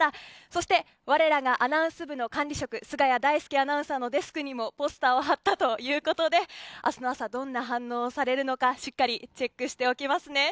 そして我らがアナウンス部の管理職菅谷大介アナウンサーのデスクにもポスターを貼ったということで明日の朝どんな反応をされるのかしっかりチェックしておきますね。